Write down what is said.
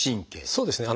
そうですね